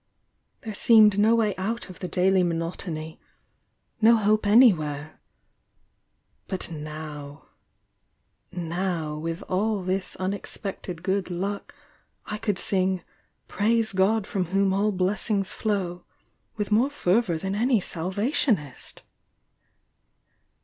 — there seemed no way out of the daily monotony — no hope anywhere! — but now — now, with all this unexpected good luck I could sing ' Praise God from whom all blessings flow!' with more fervour than any Salvationist!"